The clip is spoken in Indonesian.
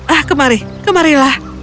ah kemari kemarilah